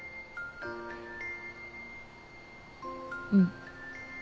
うん。